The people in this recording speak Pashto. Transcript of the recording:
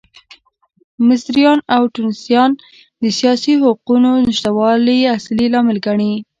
مصریان او ټونسیان د سیاسي حقونو نشتوالی اصلي لامل ګڼي.